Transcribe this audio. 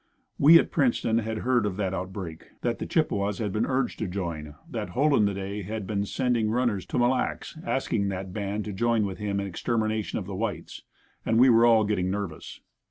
We, at Princeton, had heard of that outbreak, that the Chippewas had been urged to join, that "Hole in the day" had been sending runners to Mille Lacs asking that band to join with him in extermination of the whites, and we were all getting nervous.